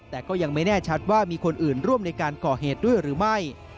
แต่ก็ยังไม่แน่ชัดว่ามีคนอื่นร่วมในการก่อเหตุด้วยหรือไม่